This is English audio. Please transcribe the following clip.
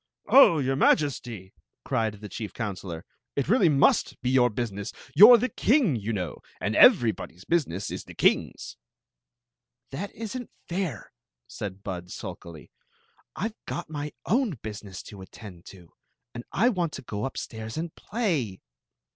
"Oh, your Majesty!" cried the chief counselor, " it really must be your business. You 're the king, you know ; and everybody's business is the king's." "That is n't fair," said Bud, sulkily. "I Ve got my own business to attend to, and I want to go up stairs and play."